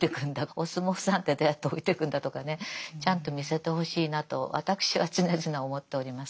お相撲さんってどうやって老いてくんだとかねちゃんと見せてほしいなと私は常々思っております。